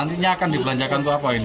nantinya akan dibelanjakan untuk apa ini